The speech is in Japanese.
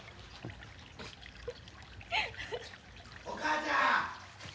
・お母ちゃん！